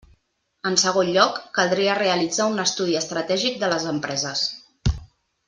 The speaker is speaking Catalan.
En segon lloc, caldria realitzar un estudi estratègic de les empreses.